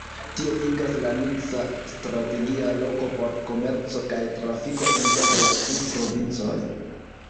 Tio igas Langsa strategia loko por komerco kaj trafiko inter la du provincoj.